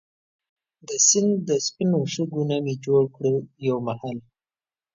دا سیند دا سپينو شګو نه مي جوړ کړو يو محل